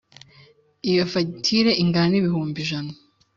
Iyo fagitire ingana n’ibihumbi ijana